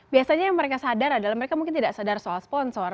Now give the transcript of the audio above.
biasanya yang mereka sadar adalah mereka mungkin tidak sadar soal sponsor